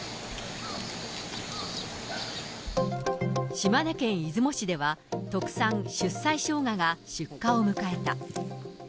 島根県出雲市では、特産、出西しょうがが出荷を迎えた。